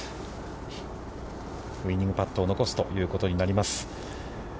ウイニングパットを残すということになります。